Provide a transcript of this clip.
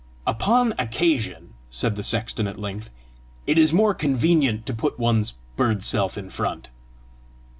"Upon occasion," said the sexton at length, "it is more convenient to put one's bird self in front.